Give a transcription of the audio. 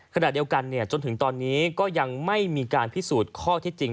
ขณะเดียวกันจนถึงตอนนี้ก็ยังไม่มีการพิสูจน์ข้อที่จริง